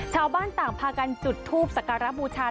ชาวบ้านต่างพากันจุดทูปสการบูชา